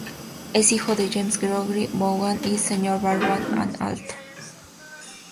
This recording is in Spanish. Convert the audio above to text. Es hijo de James Gregory Vaughan, Sr. y Barbara Ann Alt.